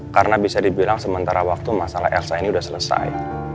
karena bisa dibilang sementara waktu masalah elsa ini udah selesai